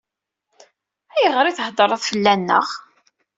Ayɣer i theddṛeḍ fell-aneɣ?